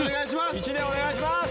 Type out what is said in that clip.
１でお願いします！